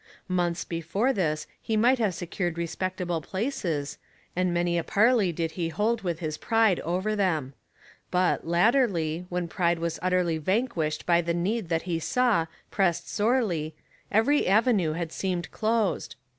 Months before this he might have secured respect able places, and many a parley did he hold with his pride over them ; but, latterly, when pride was utterly vanquished by the need that he saw pressed sorely, every avenue had seemed closed.